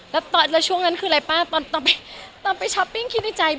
แล้วช่วงนั้นคืออะไรป้าตอนไปช้อปปิ้งคิดในใจ